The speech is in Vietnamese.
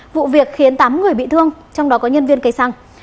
vụ việc khiến tám người bị thương trong đó có nhân viên cây xăng